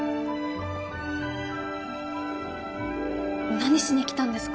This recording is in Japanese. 何しに来たんですか？